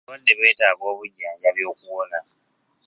Abalwadde beetaaga obujjanjabi okuwona.